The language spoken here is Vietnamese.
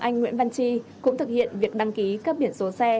chúng ta cũng sẽ lắm mắt được